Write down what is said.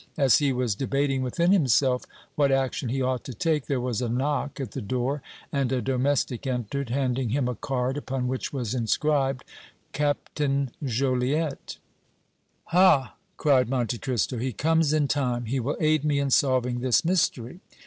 As he was debating within himself what action he ought to take, there was a knock at the door and a domestic entered, handing him a card upon which was inscribed: "Captain Joliette." "Ha!" cried Monte Cristo, "he comes in time. He will aid me in solving this mystery."